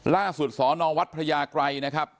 ล่าสุดสอนอวัดพระยากรัยนะครับ